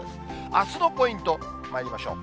あすのポイントまいりましょう。